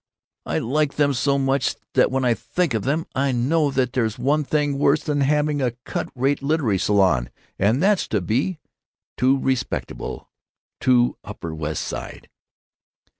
"I like them so much that when I think of them I know that there's one thing worse than having a cut rate literary salon, and that's to be too respectable——" "Too Upper West Side!"